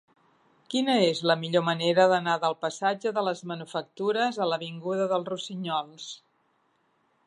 Quina és la millor manera d'anar del passatge de les Manufactures a l'avinguda dels Rossinyols?